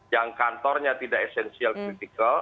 yang kantornya tidak esensial kritikal